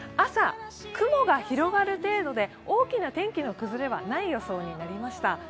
朝、雲が広がる程度で大きな天気の崩れはない予想になりました。